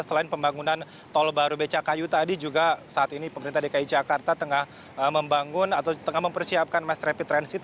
selain pembangunan tol baru becakayu tadi juga saat ini pemerintah dki jakarta tengah membangun atau tengah mempersiapkan mass rapid transit